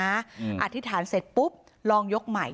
อธิษฐานเสร็จปุ๊บลองยกใหม่